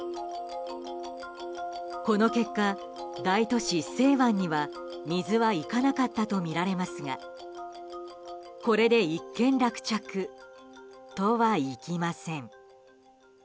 この結果、大都市セーワンには水はいかなかったとみられますがこれで一件落着とはいきません。